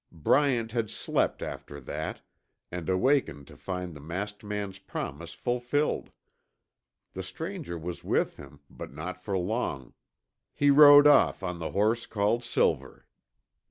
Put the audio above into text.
Bryant had slept after that, and wakened to find the masked man's promise fulfilled. The stranger was with him, but not for long. He rode off on the horse called Silver.